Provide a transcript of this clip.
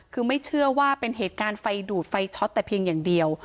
คือไม่เชื่อว่าเป็นเหตุการณ์ไฟดูดไฟช็อตแต่เพียงอย่างเดียว